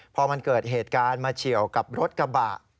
พอมันเกิดเหตุการณ์มาเฉียวกับรถกระบะ